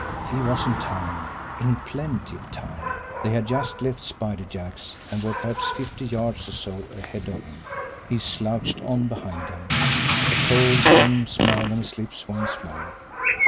He was in time in plenty of time. They had just left Spider Jack's, and were, perhaps, fifty yards or so ahead of him. He slouched on behind them the cold, grim smile on his lips once more.